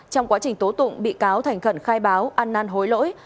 trong quá trình tố tụng bị cáo thành khẩn khai báo ăn năn hối lỗi